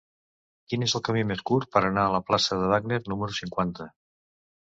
Quin és el camí més curt per anar a la plaça de Wagner número cinquanta?